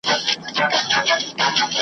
خو په اوسنیو شرایطو کي .